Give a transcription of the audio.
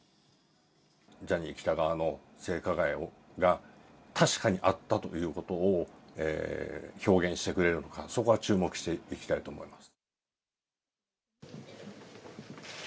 ジャニー喜多川の性加害が確かにあったということを、表現してくれるのか、そこは注目していきたいと思います。